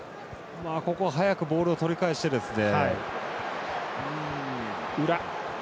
ここは早くボールを取り返してですね。